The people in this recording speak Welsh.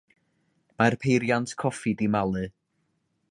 Mae'r peiriant coffi 'di malu.